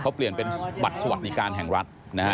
เขาเปลี่ยนเป็นบัตรสวัสดิการแห่งรัฐนะฮะ